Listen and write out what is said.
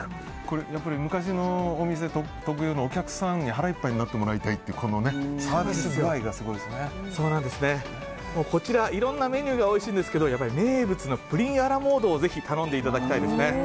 昔のお店特有の、お客さんに腹いっぱいになってもらいたいというサービス具合がこちら、いろんなメニューがおいしいんですがやっぱり名物のプリンアラモードをぜひ頼んでいただきたいですね。